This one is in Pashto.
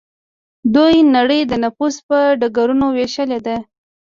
دوی نړۍ د نفوذ په ډګرونو ویشلې ده